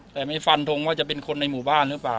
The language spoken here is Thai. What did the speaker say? แต่ไม่ฟันทงว่าจะเป็นคนในหมู่บ้านหรือเปล่า